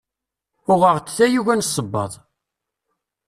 Uɣeɣ-d tayuga n ssebbaḍ.